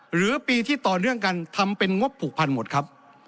หรือปีที่ต่อเนื่องกันทำเป็นงบผูกพันหมดครับ